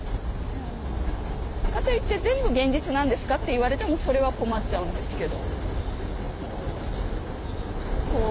かといって「全部現実なんですか？」って言われてもそれは困っちゃうんですけど。